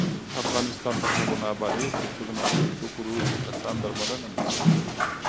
افغانستان تر هغو نه ابادیږي، ترڅو د نشه یي توکو روږدي کسان درملنه نشي.